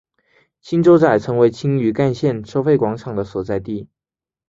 青洲仔成为青屿干线收费广场的所在地。